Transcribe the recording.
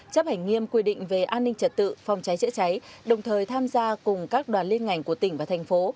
chấp hành nghiêm quy định về an ninh trật tự phòng cháy chữa cháy đồng thời tham gia cùng các đoàn liên ngành của tỉnh và thành phố